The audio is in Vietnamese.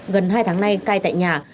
gần hai tháng nay cai tại nhà